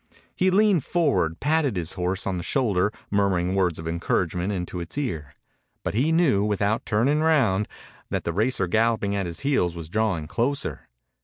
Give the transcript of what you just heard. He leaned forward, patting his horse on the shoulder, murmuring words of encouragement into its ear. But he knew, without turning round, that the racer galloping at his heels was drawing closer.